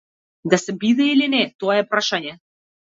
Да се биде или не, тоа е прашање.